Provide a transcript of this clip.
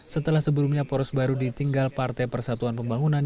setelah sebelumnya poros baru ditinggal partai persatuan pembangunan